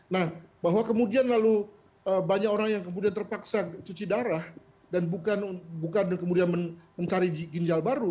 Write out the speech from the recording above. nah bahwa kemudian lalu banyak orang yang kemudian terpaksa cuci darah dan bukan kemudian mencari ginjal baru